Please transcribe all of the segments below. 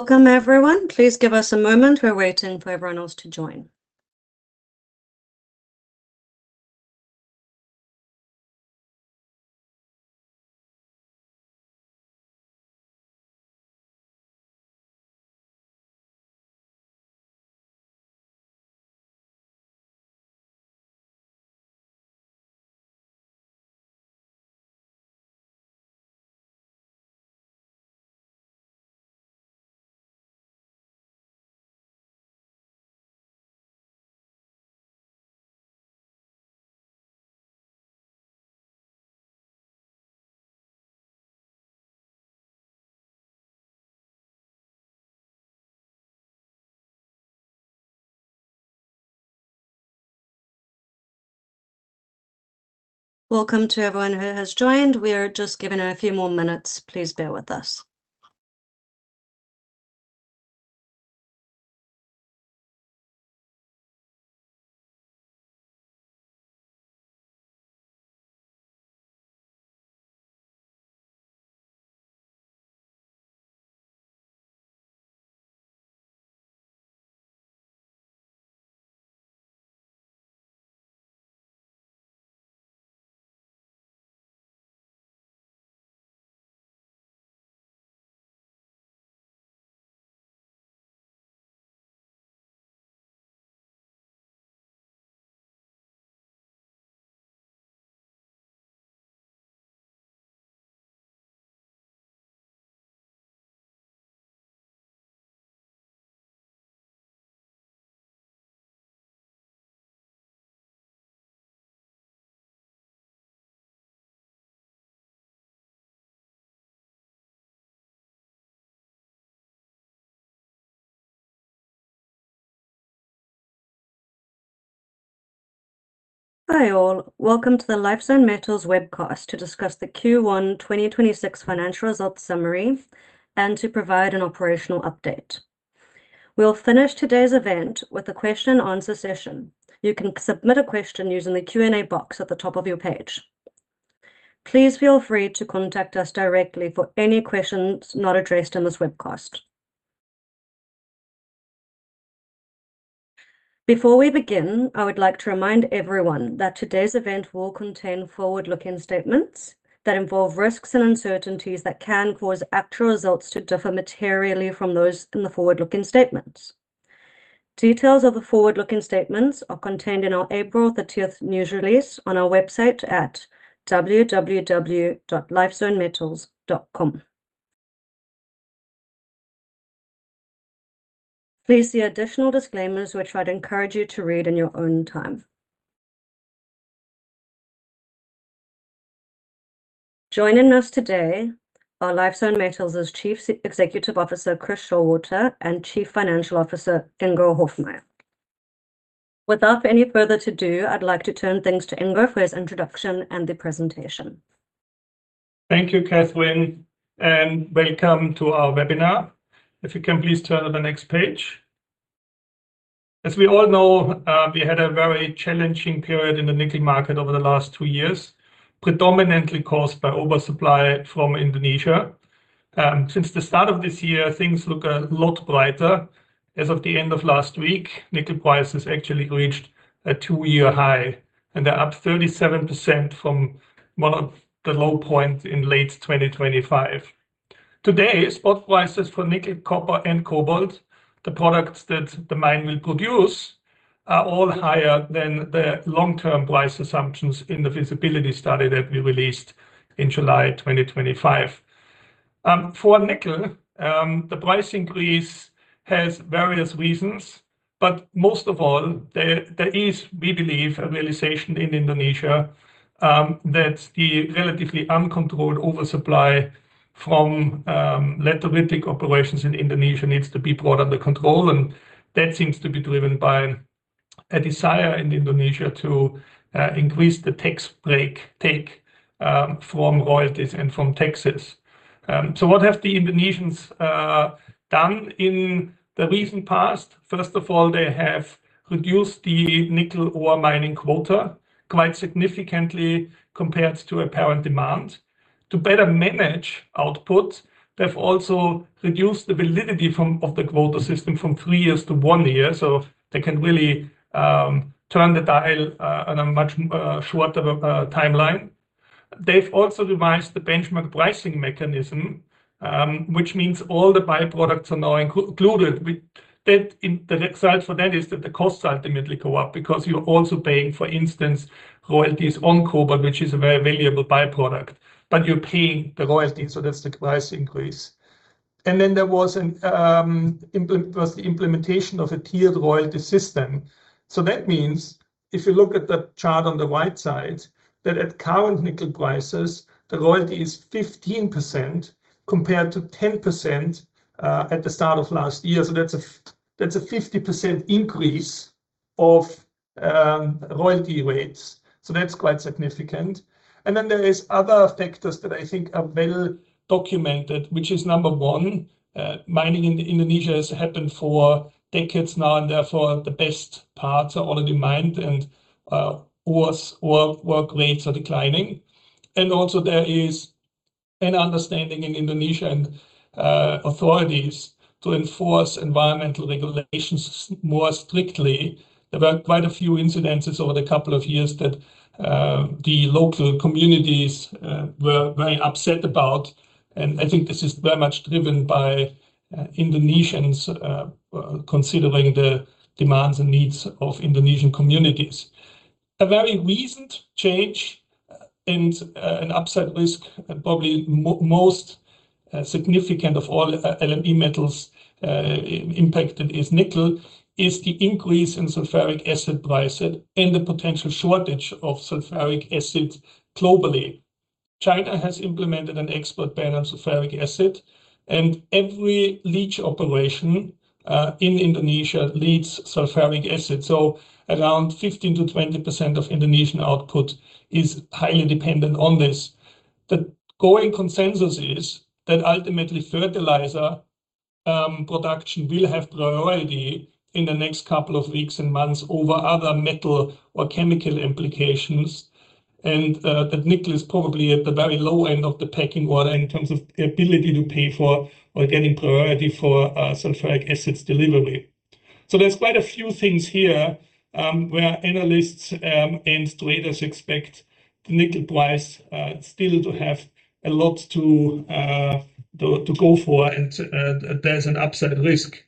Welcome, everyone. Please give us a moment. We are waiting for everyone else to join. Welcome to everyone who has joined. We are just giving a few more minutes. Please bear with us. Hi, all. Welcome to the Lifezone Metals webcast to discuss the Q1 2026 financial results summary and to provide an operational update. We will finish today's event with a question and answer session. You can submit a question using the Q&A box at the top of your page. Please feel free to contact us directly for any questions not addressed in this webcast. Before we begin, I would like to remind everyone that today's event will contain forward-looking statements that involve risks and uncertainties that can cause actual results to differ materially from those in the forward-looking statements. Details of the forward-looking statements are contained in our April 30th news release on our website at www.lifezonemetals.com. Please see additional disclaimers, which I'd encourage you to read in your own time. Joining us today are Lifezone Metals' Chief Executive Officer, Chris Showalter, and Chief Financial Officer, Ingo Hofmaier. Without any further to-do, I'd like to turn things to Ingo for his introduction and the presentation. Thank you, Catherine, and welcome to our webinar. If you can please turn to the next page. As we all know, we had a very challenging period in the nickel market over the last two years, predominantly caused by oversupply from Indonesia. Since the start of this year, things look a lot brighter. As of the end of last week, nickel prices actually reached a two-year high, and they're up 37% from one of the low points in late 2025. Today, spot prices for nickel, copper, and cobalt, the products that the mine will produce, are all higher than the long-term price assumptions in the feasibility study that we released in July 2025. For nickel, the price increase has various reasons, but most of all, there is, we believe, a realization in Indonesia that the relatively uncontrolled oversupply from lateritic operations in Indonesia needs to be brought under control, and that seems to be driven by a desire in Indonesia to increase the tax break take from royalties and from taxes. What have the Indonesians done in the recent past? First of all, they have reduced the nickel ore mining quota quite significantly compared to apparent demand. To better manage output, they've also reduced the validity from, of the quota system from three years to one year, so they can really turn the dial on a much shorter timeline. They've also revised the benchmark pricing mechanism, which means all the byproducts are now included with that in the next slide for that is that the costs ultimately go up because you're also paying, for instance, royalties on cobalt, which is a very valuable byproduct. You're paying the royalty, that's the price increase. There was an implementation of a tiered royalty system. That means if you look at the chart on the right side, that at current nickel prices, the royalty is 15% compared to 10% at the start of last year. That's a 50% increase of royalty rates. That's quite significant. Then there is other factors that I think are well documented, which is number one, mining in Indonesia has happened for decades now, and therefore the best parts are already mined and ores work rates are declining. Also there is an understanding in Indonesia and authorities to enforce environmental regulations more strictly. There were quite a few incidences over the couple of years that the local communities were very upset about, and I think this is very much driven by Indonesians considering the demands and needs of Indonesian communities. A very recent change and an upside risk and probably most significant of all LME metals impacted is nickel, is the increase in sulfuric acid prices and the potential shortage of sulfuric acid globally. China has implemented an export ban on sulfuric acid and every leach operation in Indonesia leaches sulfuric acid. Around 15%-20% of Indonesian output is highly dependent on this. The going consensus is that ultimately fertilizer production will have priority in the next couple of weeks and months over other metal or chemical implications and that nickel is probably at the very low end of the pecking order in terms of ability to pay for or getting priority for sulfuric acid delivery. There's quite a few things here where analysts and traders expect the nickel price still to have a lot to go for and there's an upside risk.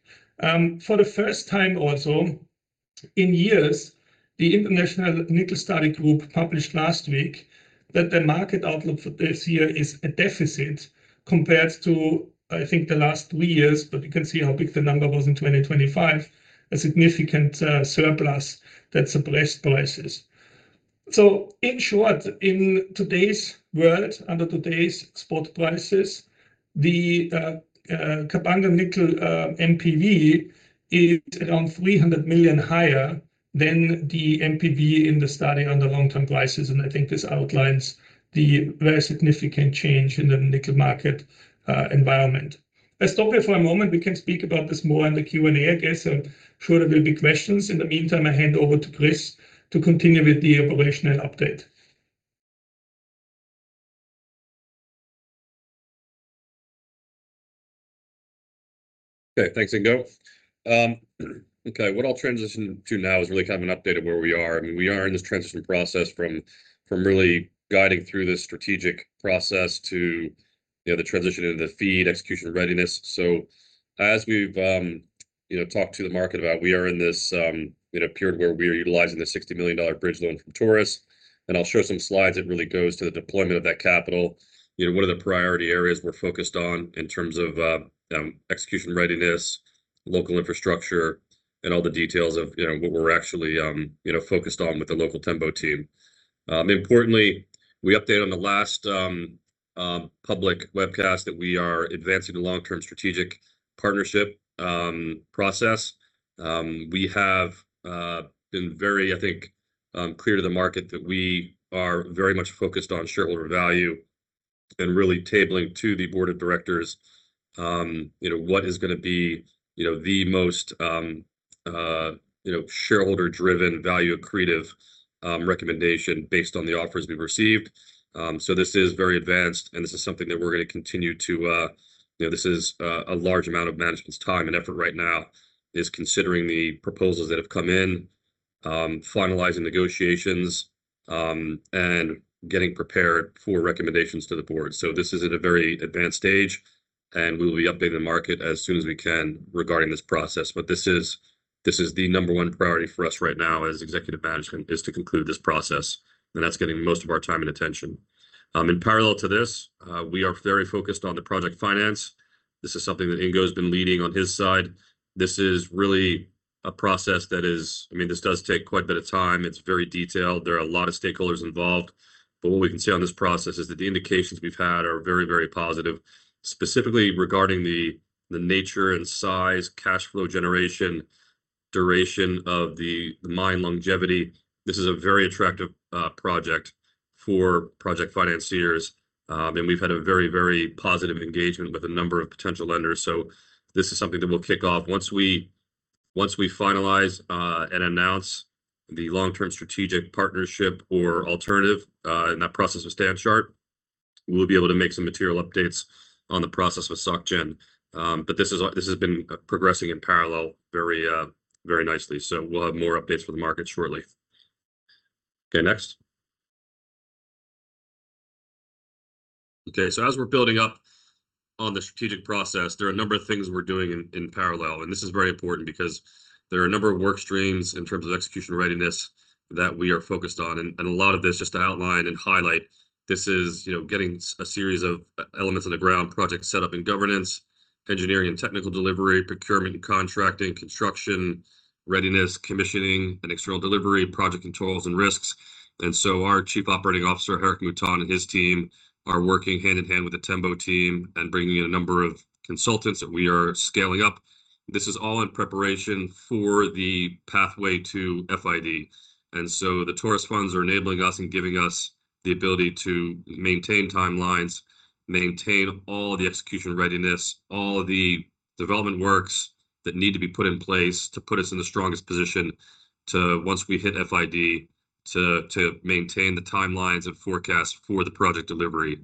For the first time also in years, the International Nickel Study Group published last week that the market outlook for this year is a deficit compared to, I think, the last two years, but you can see how big the number was in 2025, a significant surplus that suppressed prices. In short, in today's world, under today's spot prices, the Kabanga Nickel NPV is around $300 million higher than the NPV in the study under long-term prices, and I think this outlines the very significant change in the nickel market environment. Let's stop here for a moment. We can speak about this more in the Q&A, I guess. I'm sure there will be questions. In the meantime, I hand over to Chris to continue with the operational update. Okay. Thanks, Ingo. Okay, what I'll transition to now is really kind of an update of where we are. I mean, we are in this transition process from really guiding through the strategic process to, you know, the transition into the FEED execution readiness. As we've, you know, talked to the market about, we are in this, you know, period where we are utilizing the $60 million bridge loan from Taurus, and I'll show some slides that really goes to the deployment of that capital. You know, what are the priority areas we're focused on in terms of execution readiness, local infrastructure and all the details of, you know, what we're actually, you know, focused on with the local Tembo team. Importantly, we updated on the last public webcast that we are advancing the long-term strategic partnership process. We have been very, I think, clear to the market that we are very much focused on shareholder value and really tabling to the board of directors, you know, what is gonna be, you know, the most, you know, shareholder-driven value accretive recommendation based on the offers we've received. This is very advanced, and this is something that we're gonna continue to. This is a large amount of management's time and effort right now is considering the proposals that have come in, finalizing negotiations, and getting prepared for recommendations to the board. This is at a very advanced stage, and we will be updating the market as soon as we can regarding this process. This is the number one priority for us right now as executive management, is to conclude this process, and that's getting most of our time and attention. In parallel to this, we are very focused on the project finance. This is something that Ingo's been leading on his side. This is really a process that is, I mean, this does take quite a bit of time. It's very detailed. There are a lot of stakeholders involved. What we can say on this process is that the indications we've had are very, very positive, specifically regarding the nature and size, cash flow generation, duration of the mine longevity. This is a very attractive project for project financiers. We've had a very, very positive engagement with a number of potential lenders. This is something that we'll kick off once we, once we finalize and announce the long-term strategic partnership or alternative, and that process with Standard Chartered, we'll be able to make some material updates on the process with Societe Generale. This is, this has been progressing in parallel very, very nicely. We'll have more updates for the market shortly. Next. As we're building up on the strategic process, there are a number of things we're doing in parallel, and this is very important because there are a number of work streams in terms of execution readiness that we are focused on. A lot of this, just to outline and highlight, this is, you know, getting a series of elements on the ground, project setup and governance, engineering and technical delivery, procurement and contracting, construction readiness, commissioning and external delivery, project controls and risks. Our Chief Operating Officer, Gerick Mouton, and his team are working hand-in-hand with the Tembo team and bringing in a number of consultants that we are scaling up. This is all in preparation for the pathway to FID. The Taurus funds are enabling us and giving us the ability to maintain timelines, maintain all the execution readiness, all the development works that need to be put in place to put us in the strongest position to, once we hit FID, to maintain the timelines and forecasts for the project delivery.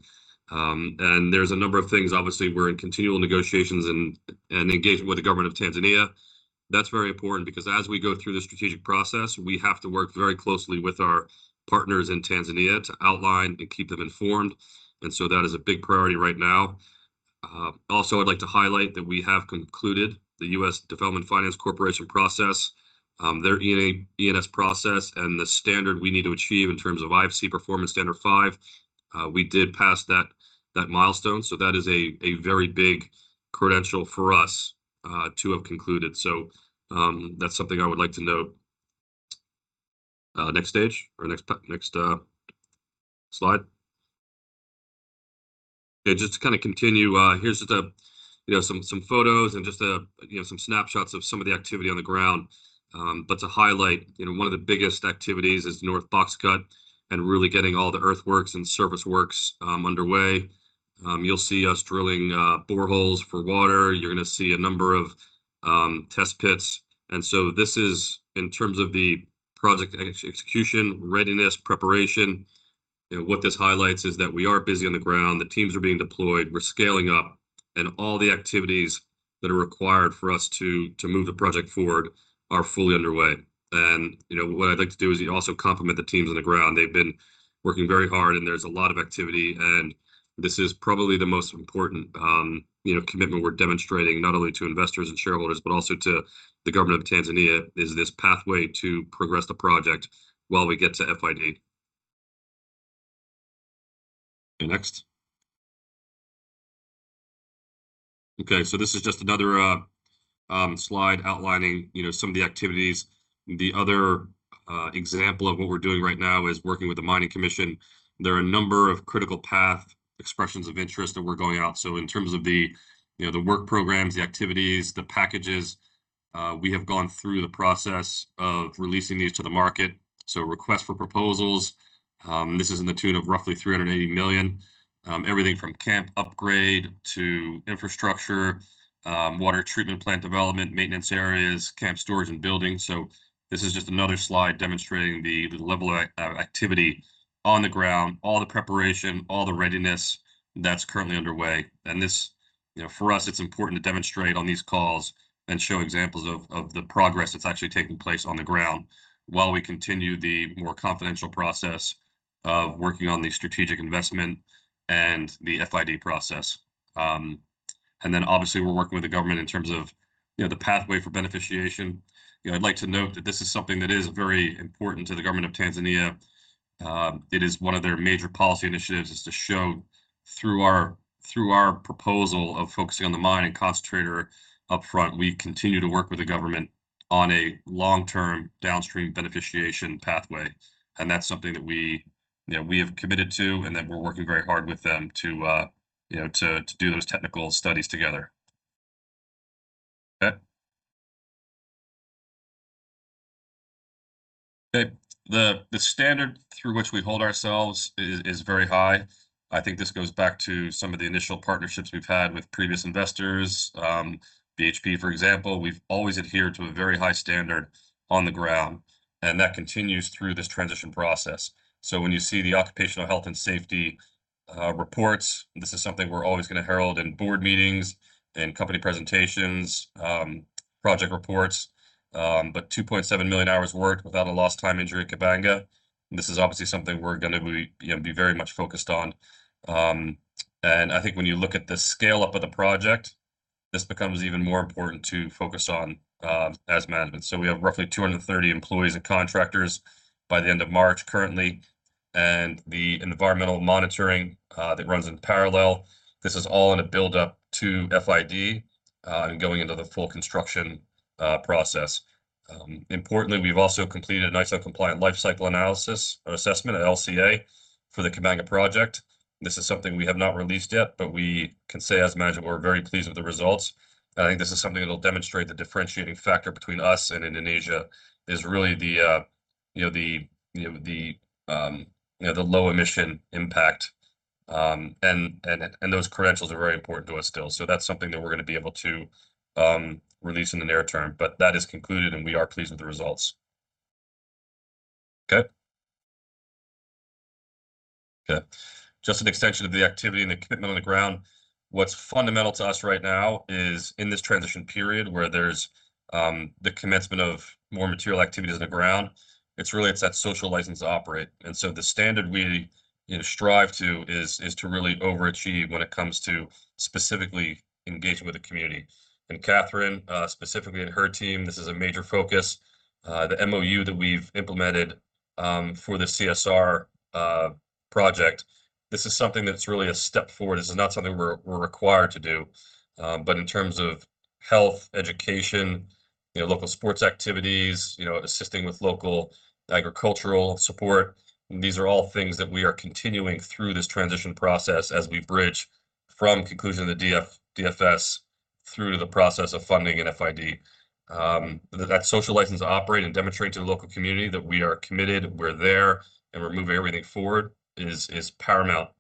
There's a number of things. Obviously, we're in continual negotiations and engagement with the Government of Tanzania. That's very important because as we go through the strategic process, we have to work very closely with our partners in Tanzania to outline and keep them informed. That is a big priority right now. Also I'd like to highlight that we have concluded the U.S. Development Finance Corporation process, their E&S process and the standard we need to achieve in terms of IFC Performance Standard 5. We did pass that milestone. That is a very big credential for us to have concluded. That's something I would like to note. Next stage or next slide. Yeah, just to kind of continue, here's just a, you know, some photos and just, you know, some snapshots of some of the activity on the ground. To highlight, you know, one of the biggest activities is North Box Cut and really getting all the earthworks and service works underway. You'll see us drilling boreholes for water. You're gonna see a number of test pits. This is, in terms of the project execution, readiness, preparation, you know, what this highlights is that we are busy on the ground. The teams are being deployed. We're scaling up, all the activities that are required for us to move the project forward are fully underway. You know, what I'd like to do is also compliment the teams on the ground. They've been working very hard, there's a lot of activity, this is probably the most important, you know, commitment we're demonstrating, not only to investors and shareholders, but also to the government of Tanzania, is this pathway to progress the project while we get to FID. Okay, next. Okay, this is just another slide outlining, you know, some of the activities. The other example of what we're doing right now is working with the Mining Commission. There are a number of critical path expressions of interest that were going out. In terms of the, you know, the work programs, the activities, the packages, we have gone through the process of releasing these to the market. Request for proposals, this is in the tune of roughly $380 million. Everything from camp upgrade to infrastructure, water treatment plant development, maintenance areas, camp storage and buildings. This is just another slide demonstrating the level of activity on the ground, all the preparation, all the readiness that's currently underway. This, you know, for us, it's important to demonstrate on these calls and show examples of the progress that's actually taking place on the ground while we continue the more confidential process of working on the strategic investment and the FID process. Obviously, we're working with the government in terms of, you know, the pathway for beneficiation. You know, I'd like to note that this is something that is very important to the government of Tanzania. It is one of their major policy initiatives is to show through our, through our proposal of focusing on the mine and concentrator up front, we continue to work with the government on a long-term downstream beneficiation pathway. That's something that we have committed to, and that we're working very hard with them to do those technical studies together. Okay. Okay, the standard through which we hold ourselves is very high. I think this goes back to some of the initial partnerships we've had with previous investors, BHP, for example. We've always adhered to a very high standard on the ground, and that continues through this transition process. When you see the occupational health and safety reports, this is something we're always gonna herald in board meetings and company presentations, project reports. 2.7 million hours worked without a lost time injury at Kabanga. This is obviously something we're gonna be, you know, very much focused on. I think when you look at the scale-up of the project, this becomes even more important to focus on as management. We have roughly 230 employees and contractors by the end of March currently. The environmental monitoring that runs in parallel, this is all in a build-up to FID and going into the full construction process. Importantly, we've also completed an ISO-compliant life cycle analysis or assessment, an LCA, for the Kabanga project. This is something we have not released yet, we can say as management we're very pleased with the results. I think this is something that'll demonstrate the differentiating factor between us and Indonesia is really the, you know, the, you know, the, you know, the low emission impact. Those credentials are very important to us still. That's something that we're gonna be able to release in the near term. That is concluded, and we are pleased with the results. Okay. Okay. Just an extension of the activity and the commitment on the ground. What's fundamental to us right now is in this transition period where there's the commencement of more material activities on the ground, it's really, it's that social license to operate. The standard we, you know, strive to is to really overachieve when it comes to specifically engaging with the community. Catherine, specifically and her team, this is a major focus. The MOU that we've implemented for the CSR project, this is something that's really a step forward. This is not something we're required to do. But in terms of health, education, you know, local sports activities, you know, assisting with local agricultural support, these are all things that we are continuing through this transition process as we bridge from conclusion of the DFS through to the process of funding and FID. That social license to operate and demonstrate to the local community that we are committed, we're there, and we're moving everything forward is paramount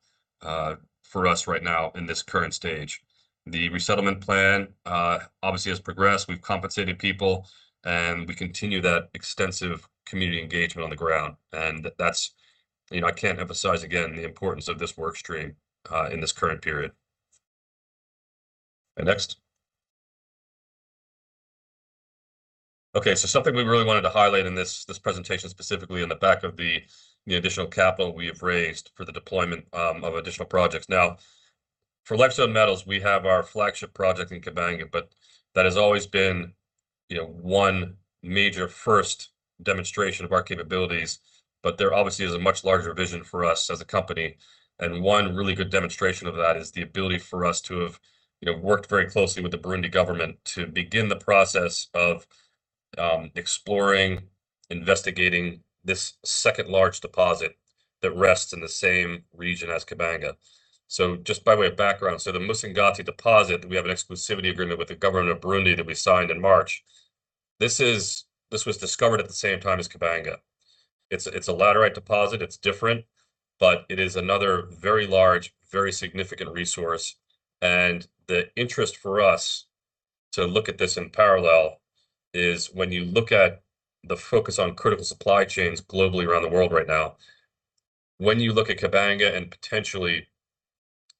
for us right now in this current stage. The resettlement plan obviously has progressed. We've compensated people, and we continue that extensive community engagement on the ground, and that's. You know, I can't emphasize again the importance of this work stream in this current period. Next. Something we really wanted to highlight in this presentation specifically on the back of the additional capital we have raised for the deployment of additional projects. For Lifezone Metals, we have our flagship project in Kabanga, but that has always been, you know, one major first demonstration of our capabilities, but there obviously is a much larger vision for us as a company. One really good demonstration of that is the ability for us to have, you know, worked very closely with the Burundi Government to begin the process of exploring, investigating this second large deposit that rests in the same region as Kabanga. Just by way of background, the Musongati deposit, we have an exclusivity agreement with the Government of Burundi that we signed in March. This was discovered at the same time as Kabanga. It's a laterite deposit. It's different. It is another very large, very significant resource. The interest for us to look at this in parallel is when you look at the focus on critical supply chains globally around the world right now, when you look at Kabanga and potentially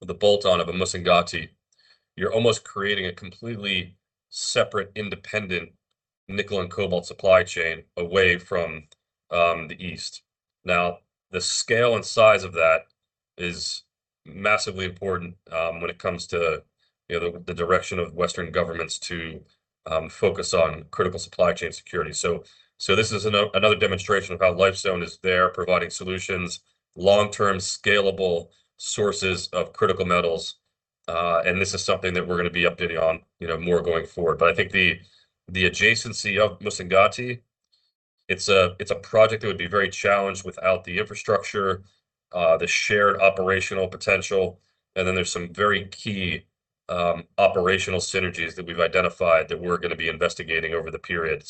the bolt-on of a Musongati, you're almost creating a completely separate, independent nickel and cobalt supply chain away from the East. The scale and size of that is massively important, when it comes to, you know, the direction of Western governments to focus on critical supply chain security. This is another demonstration of how Lifezone is there providing solutions, long-term scalable sources of critical metals. This is something that we're gonna be updating on, you know, more going forward. I think the adjacency of Musongati, it's a project that would be very challenged without the infrastructure, the shared operational potential, and then there's some very key operational synergies that we've identified that we're gonna be investigating over the period.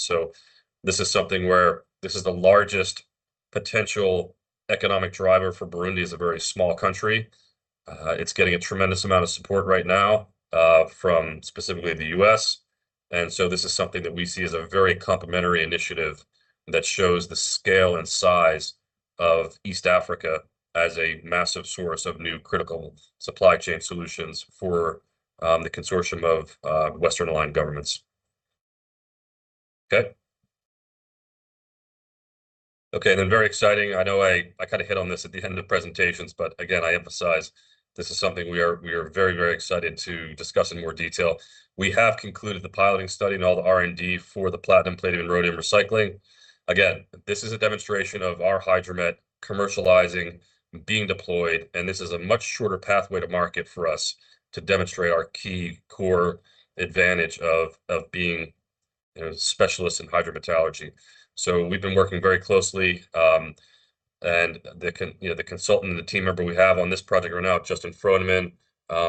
This is something where this is the largest potential economic driver for Burundi as a very small country. It's getting a tremendous amount of support right now, from specifically the U.S. This is something that we see as a very complementary initiative that shows the scale and size of East Africa as a massive source of new critical supply chain solutions for the consortium of Western-aligned governments. Okay. Okay, then very exciting. I know I kinda hit on this at the end of the presentations. Again, I emphasize this is something we are very, very excited to discuss in more detail. We have concluded the piloting study and all the R&D for the platinum, palladium, and rhodium recycling. This is a demonstration of our hydromet commercializing being deployed. This is a much shorter pathway to market for us to demonstrate our key core advantage of being, you know, specialists in hydrometallurgy. We've been working very closely. The consultant and the team member we have on this project right now, Justin Frohneman,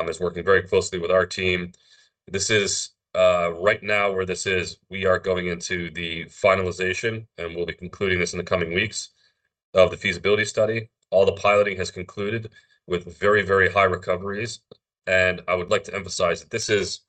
is working very closely with our team. This is right now where this is, we are going into the finalization. We'll be concluding this in the coming weeks, of the feasibility study. All the piloting has concluded with very high recoveries. I would like to emphasize that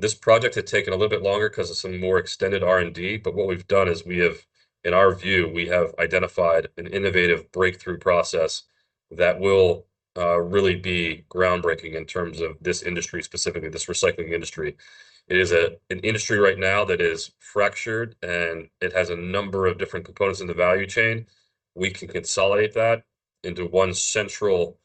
this project had taken a little bit longer 'cause of some more extended R&D, but what we've done is we have, in our view, we have identified an innovative breakthrough process that will really be groundbreaking in terms of this industry, specifically this recycling industry. It is an industry right now that is fractured. It has a number of different components in the value chain. We can consolidate that into one central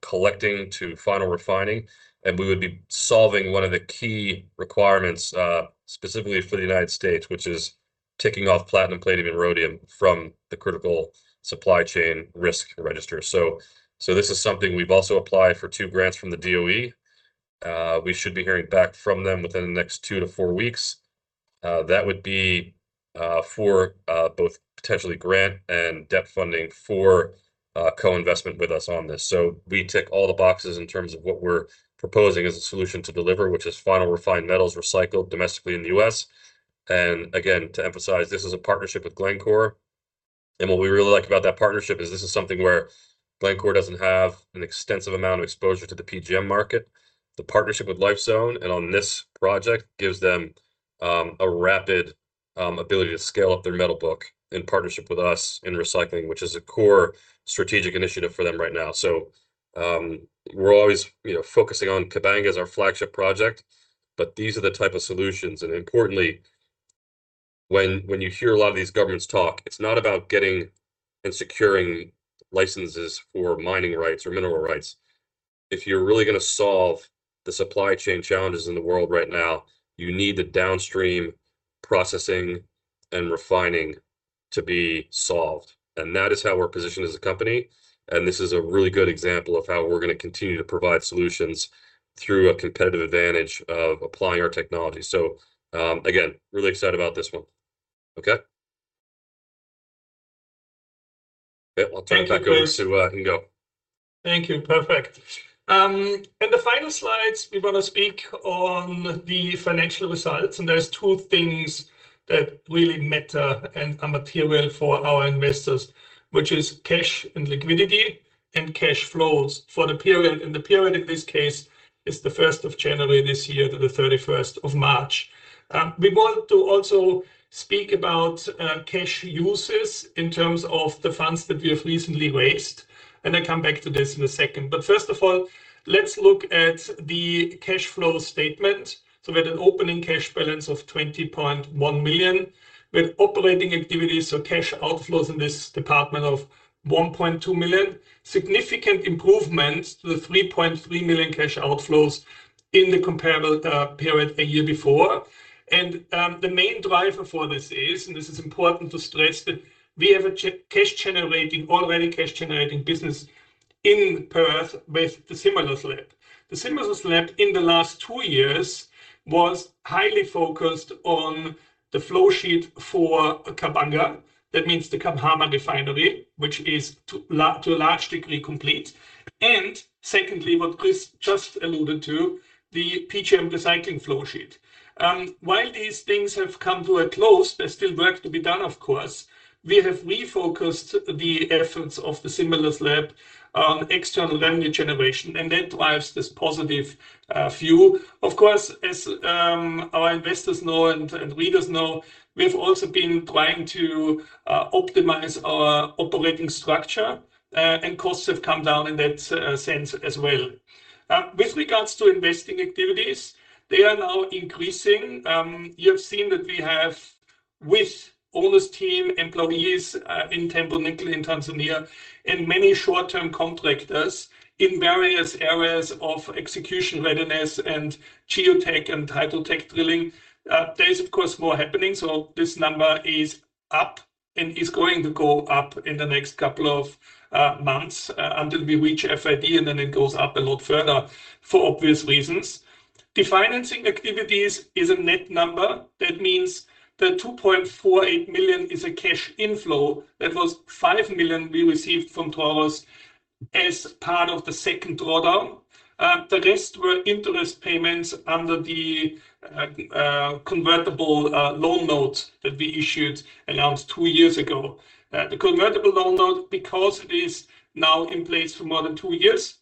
collecting to final refining. We would be solving one of the key requirements, specifically for the U.S., which is ticking off platinum, palladium, and rhodium from the critical supply chain risk register. This is something we've also applied for two grants from the DOE. We should be hearing back from them within the next two to four weeks. That would be for both potentially grant and debt funding for co-investment with us on this. We tick all the boxes in terms of what we're proposing as a solution to deliver, which is final refined metals recycled domestically in the U.S. Again, to emphasize, this is a partnership with Glencore. What we really like about that partnership is this is something where Glencore doesn't have an extensive amount of exposure to the PGM market. The partnership with Lifezone and on this project gives them a rapid ability to scale up their metal book in partnership with us in recycling, which is a core strategic initiative for them right now. We're always, you know, focusing on Kabanga as our flagship project, but these are the type of solutions. Importantly, when you hear a lot of these governments talk, it's not about getting and securing licenses for mining rights or mineral rights. If you're really gonna solve the supply chain challenges in the world right now, you need the downstream processing and refining to be solved. That is how we're positioned as a company, and this is a really good example of how we're gonna continue to provide solutions through a competitive advantage of applying our technology. Again, really excited about this one. Okay. Yeah, I'll turn it back over to Ingo. Thank you. Thank you. Perfect. In the final slides, we wanna speak on the financial results, and there's two things that really matter and are material for our investors, which is cash and liquidity and cash flows for the period, and the period in this case is the 1st of January this year to the 31st of March. We want to also speak about cash uses in terms of the funds that we have recently raised, I come back to this in a second. First of all, let's look at the cash flow statement. We had an opening cash balance of $20.1 million with operating activities, so cash outflows in this department of $1.2 million. Significant improvements to the $3.3 million cash outflows in the comparable period a year before. The main driver for this is, and this is important to stress, that we have a already cash generating business in Perth with the Simulus Lab. The Simulus Lab in the last two years was highly focused on the flow sheet for Kabanga. That means the Kabanga Refinery, which is to a large degree complete. Secondly, what Chris just alluded to, the PGM recycling flow sheet. While these things have come to a close, there's still work to be done, of course. We have refocused the efforts of the Simulus Lab on external revenue generation, and that drives this positive view. Of course, as our investors know and readers know, we've also been trying to optimize our operating structure, and costs have come down in that sense as well. With regards to investing activities, they are now increasing. You have seen that we have with all this team, employees, in Tembo Nickel in Tanzania, and many short-term contractors in various areas of execution readiness and geotech and title tech drilling. There is, of course, more happening, so this number is up and is going to go up in the next couple of months, until we reach FID, and then it goes up a lot further for obvious reasons. The financing activities is a net number. That means the $2.48 million is a cash inflow. That was $5 million we received from Taurus as part of the second drawdown. The rest were interest payments under the convertible loan note that we issued, announced two years ago. The convertible loan note, because it is now in place for more than two years,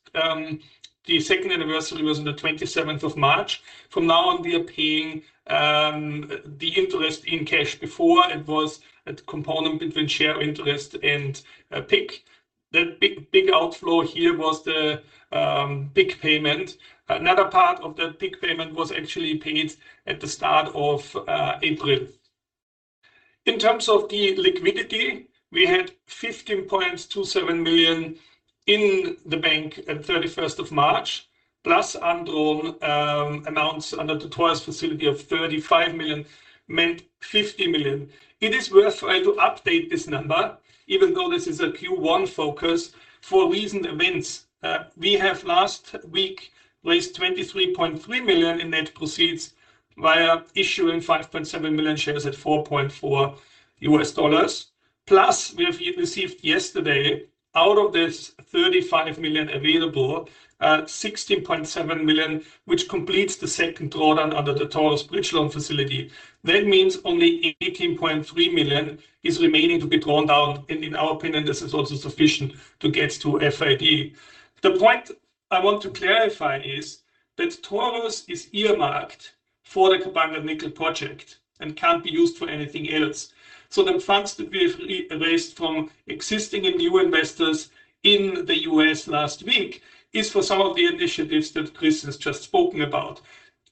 the second anniversary was on the 27th of March. From now on, we are paying the interest in cash. Before it was a component between share interest and PIK. The big outflow here was the PIK payment. Another part of that PIK payment was actually paid at the start of April. In terms of the liquidity, we had $15.27 million in the bank at 31st of March, plus undrawn amounts under the Taurus facility of $35 million meant $50 million. It is worth trying to update this number, even though this is a Q1 focus, for recent events. We have last week raised $23.3 million in net proceeds via issuing 5.7 million shares at $4.4. We have received yesterday, out of this $35 million available, $16.7 million, which completes the second drawdown under the Taurus bridge loan facility. Only $18.3 million is remaining to be drawn down, and in our opinion, this is also sufficient to get to FID. The point I want to clarify is that Taurus is earmarked for the Kabanga Nickel Project and can't be used for anything else. The funds that we have raised from existing and new investors in the U.S. last week is for some of the initiatives that Chris has just spoken about.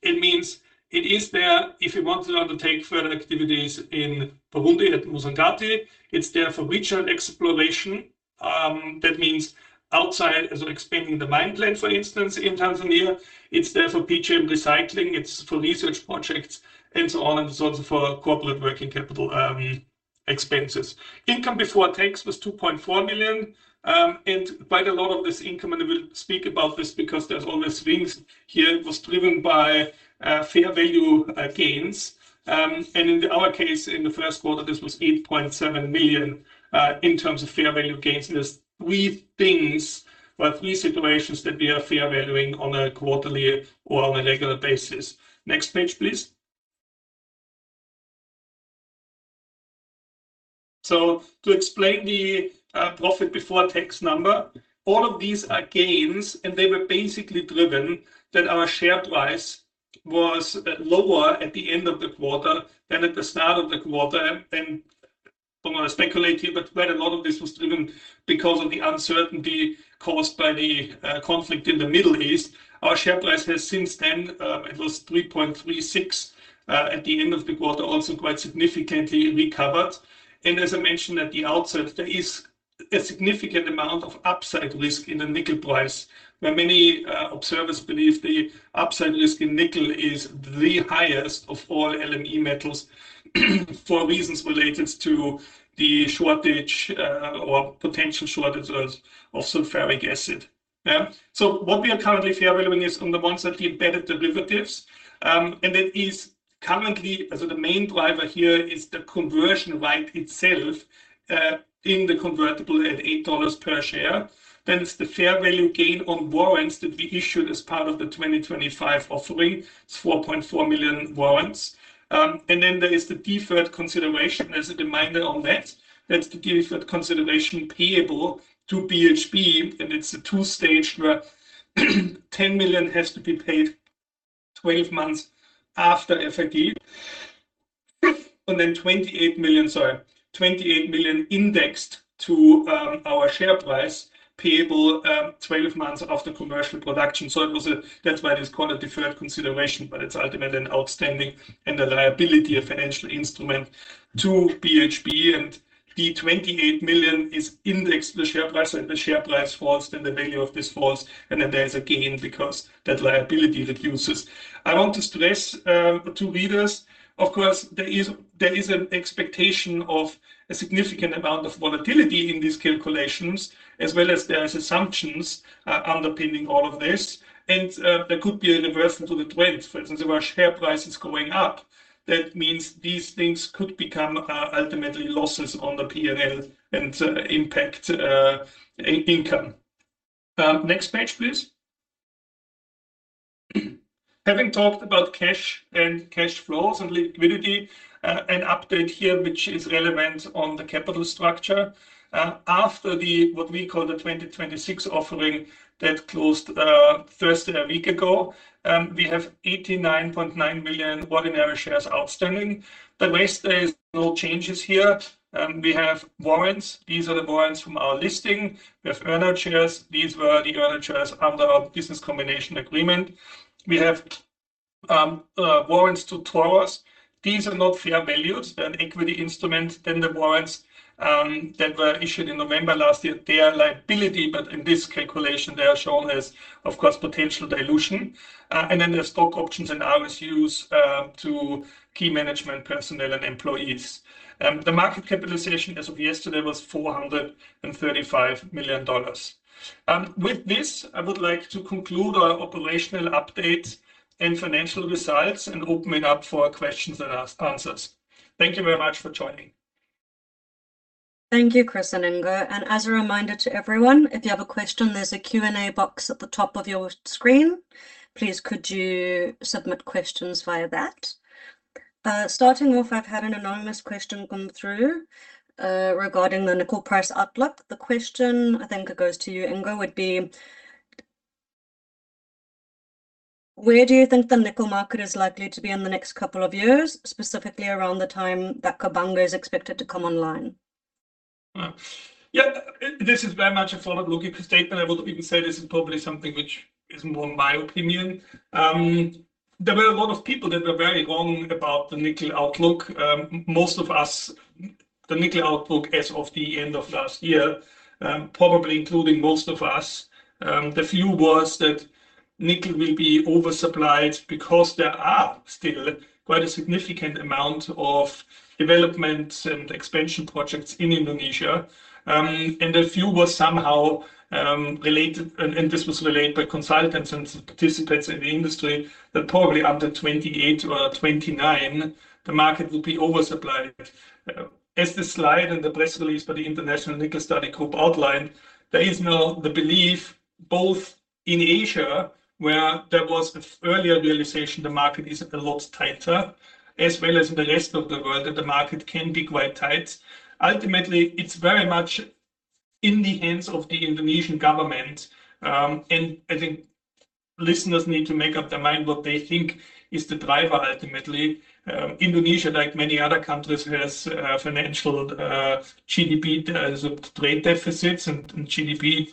It means it is there if we want to undertake further activities in Pawunde at Musongati. It's there for regional exploration. Outside, as we're expanding the mine plan, for instance, in Tanzania. It's there for PGM recycling. It's for research projects and so on, and it's also for corporate working capital expenses. Income before tax was $2.4 million. Quite a lot of this income, and we'll speak about this because there's always risks here, was driven by fair value gains. In our case, in the first quarter, this was $8.7 million in terms of fair value gains. There's three things or three situations that we are fair valuing on a quarterly or on a regular basis. Next page, please. To explain the profit before tax number, all of these are gains, and they were basically driven that our share price was lower at the end of the quarter than at the start of the quarter. I don't want to speculate here, but quite a lot of this was driven because of the uncertainty caused by the conflict in the Middle East. Our share price has since then, it was $3.36 at the end of the quarter, also quite significantly recovered. As I mentioned at the outset, there is a significant amount of upside risk in the nickel price, where many observers believe the upside risk in nickel is the highest of all LME metals for reasons related to the shortage or potential shortages of sulfuric acid. What we are currently fair valuing is on the ones that we embedded derivatives. The main driver here is the conversion right itself, in the convertible at $8 per share. It's the fair value gain on warrants that we issued as part of the 2025 offering. It's 4.4 million warrants. There is the deferred consideration. There's a reminder on that. That's the deferred consideration payable to BHP, and it's a two-stage where $10 million has to be paid 12 months after FID. $28 million indexed to our share price payable 12 months after commercial production. That's why it is called a deferred consideration, but it's ultimately an outstanding and a liability, a financial instrument to BHP, and the $28 million is indexed to the share price. When the share price falls, then the value of this falls, and then there's a gain because that liability reduces. I want to stress to readers, of course, there is an expectation of a significant amount of volatility in these calculations, as well as there is assumptions underpinning all of this. There could be a reversal to the trends. For instance, if our share price is going up, that means these things could become ultimately losses on the P&L and impact income. Next page, please. Having talked about cash and cash flows and liquidity, an update here which is relevant on the capital structure. After the, what we call the 2026 offering that closed Thursday a week ago, we have 89.9 million ordinary shares outstanding. The rest is all changes here. We have warrants. These are the warrants from our listing. We have Earnout Shares. These were the Earnout Shares under our business combination agreement. We have warrants to Taurus. These are not fair values. They're an equity instrument than the warrants that were issued in November last year. They are a liability, but in this calculation they are shown as, of course, potential dilution. There's stock options and RSUs to key management personnel and employees. The market capitalization as of yesterday was $435 million. With this, I would like to conclude our operational update and financial results and open it up for questions and answers. Thank you very much for joining. Thank you, Chris and Ingo. As a reminder to everyone, if you have a question, there's a Q&A box at the top of your screen. Please could you submit questions via that? Starting off, I've had an anonymous question come through regarding the nickel price outlook. The question, I think it goes to you, Ingo, would be: where do you think the nickel market is likely to be in the next couple of years, specifically around the time that Kabanga is expected to come online? This is very much a forward-looking statement. I would even say this is probably something which is more my opinion. There were a lot of people that were very wrong about the nickel outlook. Most of us, the nickel outlook as of the end of last year, probably including most of us, the view was that nickel will be oversupplied because there are still quite a significant amount of development and expansion projects in Indonesia. The view was somehow related, and this was relayed by consultants and participants in the industry, that probably after 2028 or 2029, the market will be oversupplied. As the slide and the press release for the International Nickel Study Group outlined, there is now the belief, both in Asia, where there was the earlier realization the market is a lot tighter, as well as in the rest of the world, that the market can be quite tight. Ultimately, it's very much in the hands of the Indonesian government. I think listeners need to make up their mind what they think is the driver ultimately. Indonesia, like many other countries, has financial, GDP, trade deficits and GDP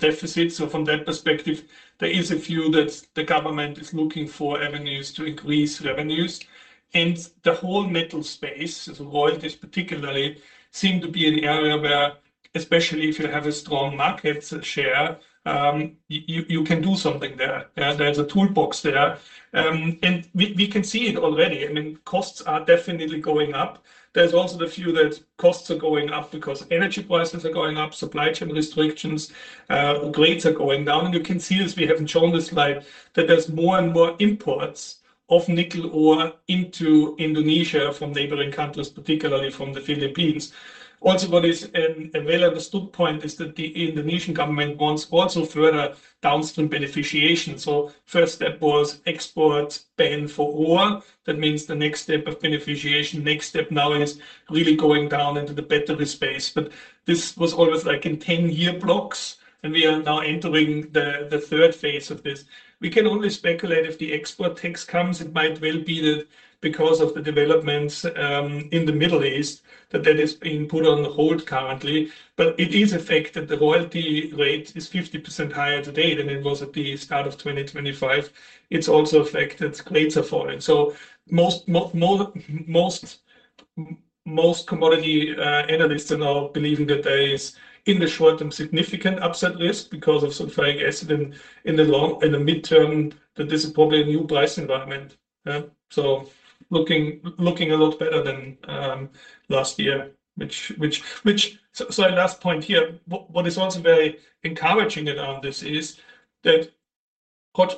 deficits. From that perspective, there is a view that the government is looking for avenues to increase revenues. The whole metal space, as oil is particularly, seem to be an area where, especially if you have a strong market share, you can do something there. There's a toolbox there. We can see it already. I mean, costs are definitely going up. There's also the view that costs are going up because energy prices are going up, supply chain restrictions, grades are going down. You can see, as we have shown this slide, that there's more and more imports of nickel ore into Indonesia from neighboring countries, particularly from the Philippines. Also what is a well-understood point is that the Indonesian government wants also further downstream beneficiation. First step was export ban for ore. That means the next step of beneficiation. Next step now is really going down into the battery space. This was always like in 10-year blocks, and we are now entering the third phase of this. We can only speculate if the export tax comes. It might well be that because of the developments in the Middle East, that that is being put on hold currently. It is a fact that the royalty rate is 50% higher today than it was at the start of 2025. It's also a fact that grades are falling. Most commodity analysts are now believing that there is, in the short term, significant upside risk because of sulfuric acid in the long, in the midterm, that this is probably a new price environment. Looking a lot better than last year. Last point here. What is also very encouraging around this is that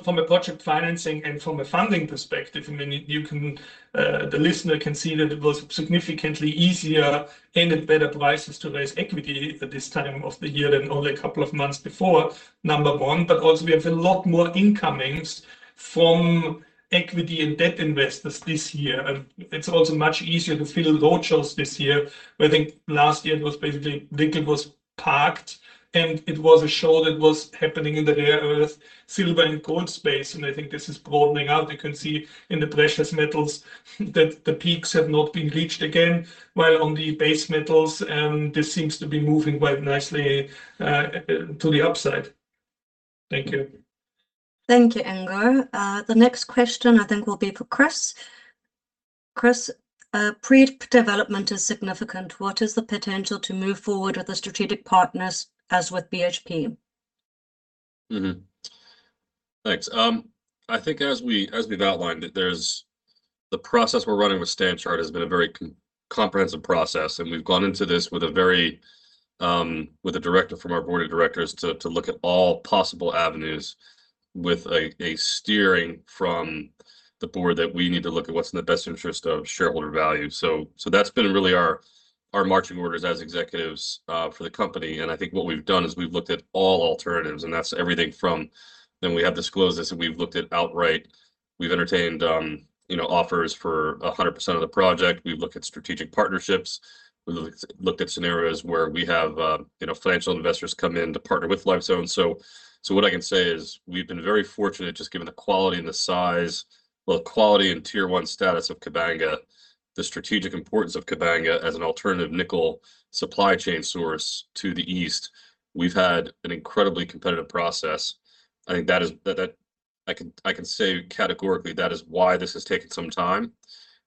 from a project financing and from a funding perspective, I mean, you can, the listener can see that it was significantly easier and at better prices to raise equity at this time of the year than only a couple of months before, number one. Also, we have a lot more incomings from equity and debt investors this year. It's also much easier to fill roadshows this year, where I think last year it was basically nickel was parked and it was a show that was happening in the rare earth silver and gold space, and I think this is broadening out. You can see in the precious metals that the peaks have not been reached again, while on the base metals, this seems to be moving quite nicely to the upside. Thank you. Thank you, Ingo. The next question I think will be for Chris. Chris, pre-development is significant. What is the potential to move forward with the strategic partners as with BHP? Thanks. I think as we've outlined, the process we're running with Standard Chartered has been a very comprehensive process and we've gone into this with a very, with a directive from our board of directors to look at all possible avenues with a steering from the board that we need to look at what's in the best interest of shareholder value. That's been really our marching orders as executives for the company. I think what we've done is we've looked at all alternatives, and that's everything from, then we have disclosed this, and we've looked at outright, we've entertained, you know, offers for 100% of the project. We've looked at strategic partnerships. We've looked at scenarios where we have, you know, financial investors come in to partner with Lifezone Metals. What I can say is we've been very fortunate just given the quality and the size, well, the quality and Tier 1 status of Kabanga, the strategic importance of Kabanga as an alternative nickel supply chain source to the East. We've had an incredibly competitive process. I think I can say categorically that is why this has taken some time.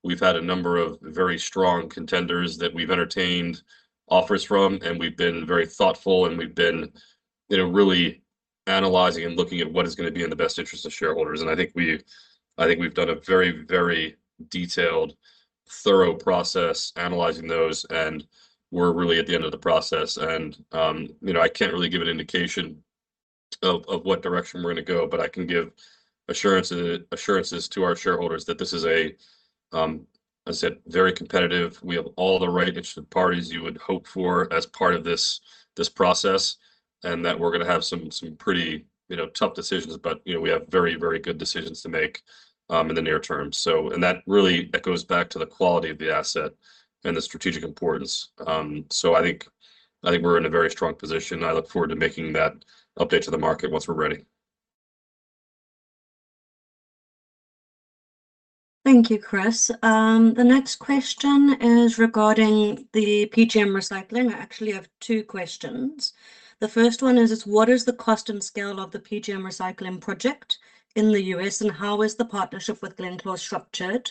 We've had a number of very strong contenders that we've entertained offers from, and we've been very thoughtful and we've been, you know, really analyzing and looking at what is going to be in the best interest of shareholders. I think we've done a very, very detailed, thorough process analyzing those, and we're really at the end of the process. You know, I can't really give an indication of what direction we're gonna go, but I can give assurances to our shareholders that this is a, as I said, very competitive, we have all the right interested parties you would hope for as part of this process, and that we're gonna have some pretty, you know, tough decisions. You know, we have very good decisions to make in the near term. That really echoes back to the quality of the asset and the strategic importance. I think we're in a very strong position and I look forward to making that update to the market once we're ready. Thank you, Chris. The next question is regarding the PGM recycling. I actually have two questions. The first one is what is the cost and scale of the PGM recycling project in the U.S., and how is the partnership with Glencore structured?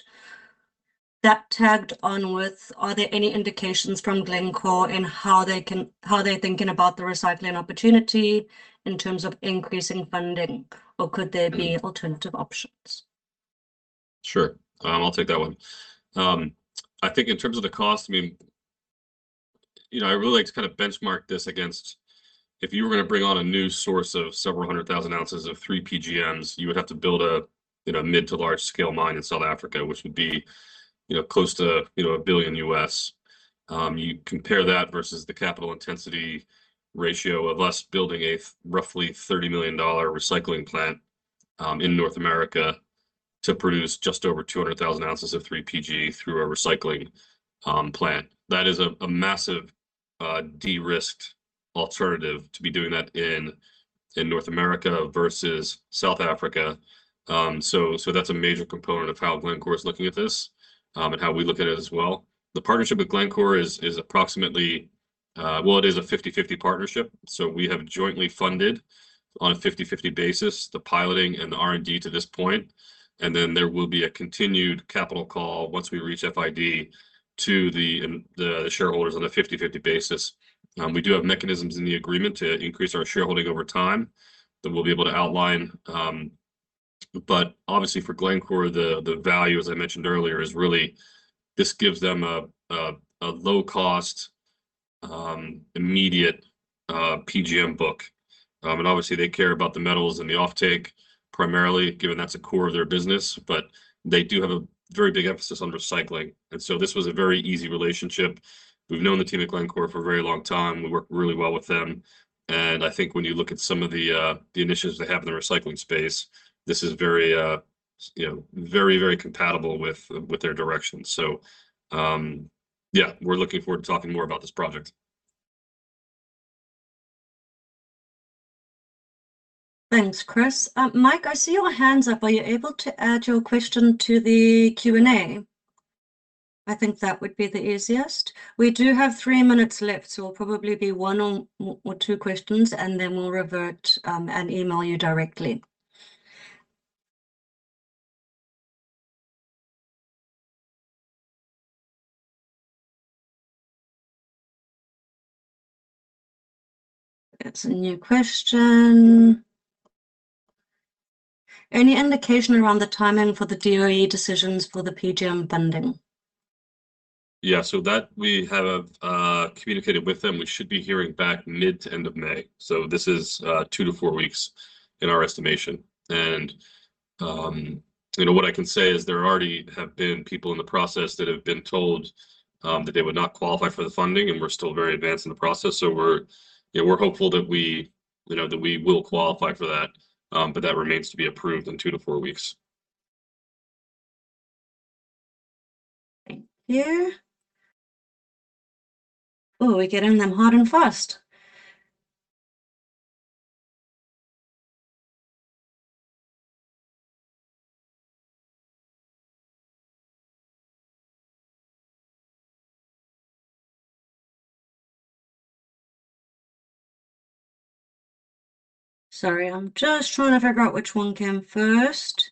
That tagged on with, are there any indications from Glencore in how they're thinking about the recycling opportunity in terms of increasing funding or could there be. Mm alternative options? Sure. I'll take that one. I think in terms of the cost, I mean, you know, I really like to kind of benchmark this against if you were going to bring on a new source of several hundred thousand ounces of 3PGM, you would have to build a, you know, mid to large scale mine in South Africa, which would be, you know, close to, you know, $1 billion. You compare that versus the capital intensity ratio of us building a roughly $30 million recycling plant in North America to produce just over 200,000 oz of 3PGM through a recycling plant. That is a massive de-risked alternative to be doing that in North America versus South Africa. That's a major component of how Glencore is looking at this, and how we look at it as well. The partnership with Glencore is a 50/50 partnership, so we have jointly funded on a 50/50 basis, the piloting and the R&D to this point. There will be a continued capital call once we reach FID to the shareholders on a 50/50 basis. We do have mechanisms in the agreement to increase our shareholding over time that we'll be able to outline. Obviously for Glencore, the value as I mentioned earlier, is really this gives them a low cost, immediate PGM book. Obviously they care about the metals and the offtake primarily, given that's a core of their business, but they do have a very big emphasis on recycling. This was a very easy relationship. We've known the team at Glencore for a very long time. We work really well with them, and I think when you look at some of the initiatives they have in the recycling space, this is very, you know, very compatible with their direction. Yeah, we're looking forward to talking more about this project. Thanks, Chris. Mike, I see your hand's up. Are you able to add your question to the Q&A? I think that would be the easiest. We do have three minutes left, so it'll probably be one or two questions and then we'll revert and email you directly. That's a new question. Any indication around the timing for the DOE decisions for the PGM funding? Yeah. That we have communicated with them. We should be hearing back mid to end of May. This is two to four weeks in our estimation. You know, what I can say is there already have been people in the process that have been told that they would not qualify for the funding, and we're still very advanced in the process. We're hopeful that we, you know, that we will qualify for that. That remains to be approved in two to four weeks. Thank you. We're getting them hot and fast. Sorry, I'm just trying to figure out which one came first.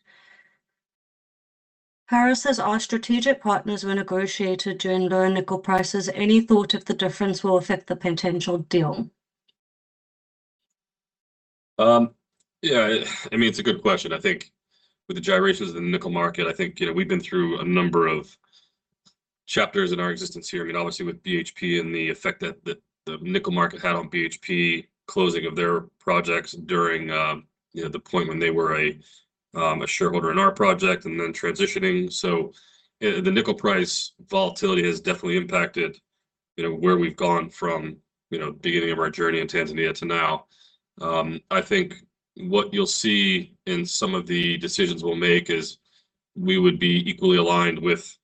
Paris says, "Our strategic partners were negotiated during low nickel prices. Any thought if the difference will affect the potential deal? Yeah, I mean, it's a good question. I think with the gyrations in the nickel market, I think, you know, we've been through a number of chapters in our existence here. I mean, obviously, with BHP and the effect that the nickel market had on BHP closing of their projects during, you know, the point when they were a shareholder in our project and then transitioning. The nickel price volatility has definitely impacted, you know, where we've gone from, you know, beginning of our journey in Tanzania to now. I think what you'll see in some of the decisions we'll make is we would be equally aligned with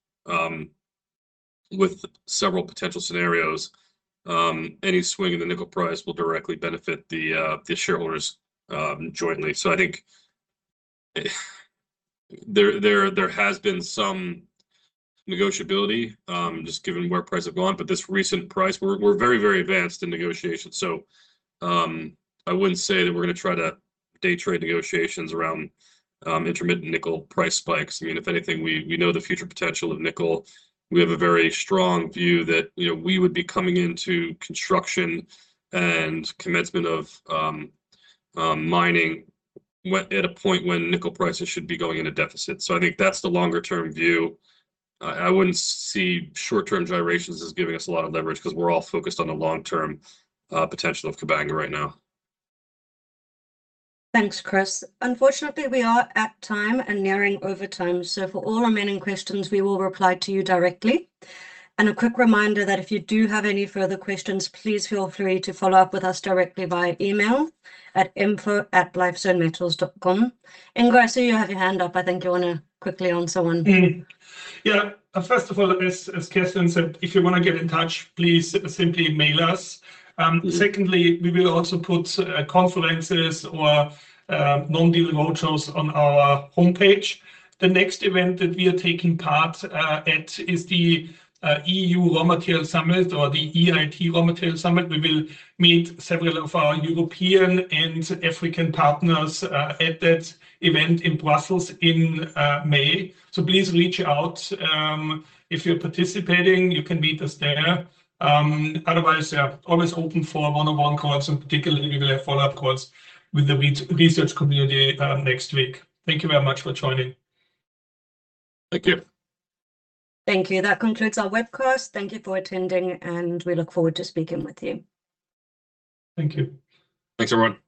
several potential scenarios. Any swing in the nickel price will directly benefit the shareholders, jointly. I think there has been some negotiability, just given where prices have gone, but this recent price, we're very, very advanced in negotiations. I wouldn't say that we're gonna try to day trade negotiations around intermittent nickel price spikes. I mean, if anything, we know the future potential of nickel. We have a very strong view that, you know, we would be coming into construction and commencement of mining at a point when nickel prices should be going into deficit. I think that's the longer term view. I wouldn't see short-term gyrations as giving us a lot of leverage because we're all focused on the long-term potential of Kabanga right now. Thanks, Chris. Unfortunately, we are at time and nearing overtime, for all remaining questions, we will reply to you directly. A quick reminder that if you do have any further questions, please feel free to follow up with us directly via email at info@lifezonemetals.com. Ingo, I see you have your hand up. I think you want to quickly answer one. Yeah. First of all, as Chris has said, if you want to get in touch, please simply mail us. Secondly, we will also put conferences or non-deal roadshows on our homepage. The next event that we are taking part at is the EU Raw Materials Summit or the EIT RawMaterials Summit. We will meet several of our European and African partners at that event in Brussels in May. Please reach out. If you're participating, you can meet us there. Otherwise, yeah, always open for one-on-one calls, and particularly we will have follow-up calls with the research community next week. Thank you very much for joining. Thank you. Thank you. That concludes our webcast. Thank you for attending. We look forward to speaking with you. Thank you. Thanks, everyone. Bye.